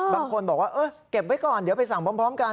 บางคนบอกว่าเก็บไว้ก่อนเดี๋ยวไปสั่งพร้อมกัน